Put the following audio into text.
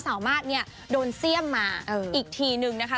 สาวมาสโดนเสี้ยงมาอีกทีหนึ่งนะคะ